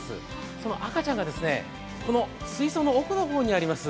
その赤ちゃんが、この水槽の奥の方にあります